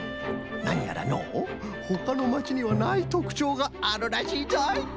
なにやらのうほかのまちにはないとくちょうがあるらしいぞい。